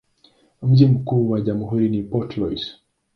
Mji mkuu wa jamhuri ni Port Louis.